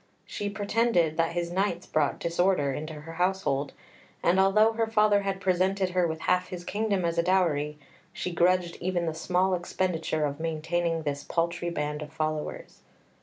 She pretended that his knights brought disorder into her household; and although her father had presented her with half his kingdom as a dowry, she grudged even the small expenditure of maintaining this paltry band of followers.